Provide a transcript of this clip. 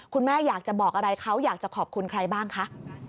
คุณแม่อยากจะบอกอะไรเขาอยากจะขอบคุณใครบ้างคะ